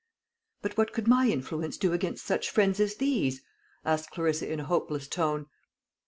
"But what could my influence do against such friends as these?" asked Clarissa in a hopeless tone.